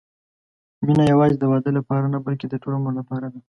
مینه یوازې د واده لپاره نه، بلکې د ټول عمر لپاره ده.